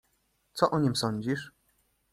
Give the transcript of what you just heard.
"Co o nim sądzisz?"